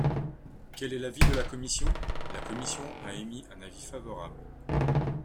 Quel est l’avis de la commission ? La commission a émis un avis favorable.